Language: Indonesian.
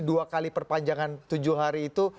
dua kali perpanjangan tujuh hari itu